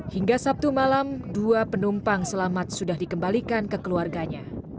hingga sabtu malam dua penumpang selamat sudah dikembalikan ke keluarganya